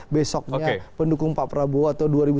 besoknya pendukung pak prabowo atau dua ribu sembilan belas